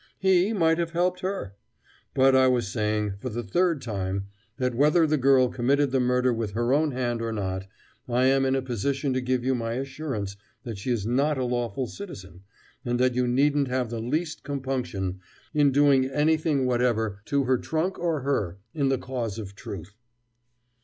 He might have helped her! But I was saying for the third time that whether the girl committed the murder with her own hand or not, I am in a position to give you my assurance that she is not a lawful citizen, and that you needn't have the least compunction in doing anything whatever to her trunk or her in the cause of truth."